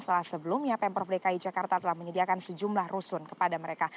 setelah sebelumnya pemprov dki jakarta telah menyediakan sejumlah rusun kepada mereka